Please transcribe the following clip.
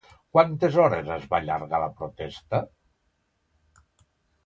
Quantes hores es va allargar la protesta?